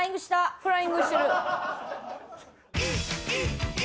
フライングしてる。